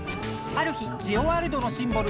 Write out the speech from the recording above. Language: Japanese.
ある日ジオワールドのシンボル